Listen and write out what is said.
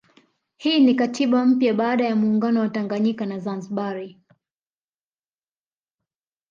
Hii ni katiba mpya baada ya muungano wa Tanganyika na Zanzibari